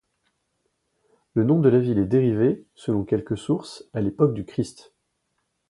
Le nom de la ville est dérivé, selon quelques sources, à l'époque du Christ.